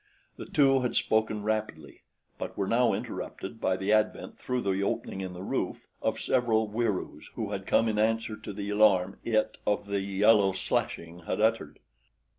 The two had spoken rapidly but were now interrupted by the advent through the opening in the roof of several Wieroos who had come in answer to the alarm it of the yellow slashing had uttered.